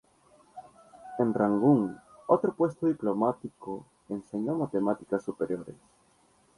En Rangún, otro puesto diplomático, enseñó matemáticas superiores.